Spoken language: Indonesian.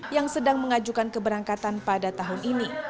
yang sedang mengajukan keberangkatan pada tahun ini